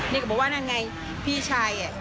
นี่ก็บอกว่านั่นไงพี่ชาย